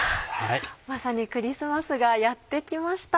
まさにクリスマスがやって来ました。